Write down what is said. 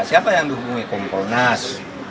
siapa yang dihubungi komponas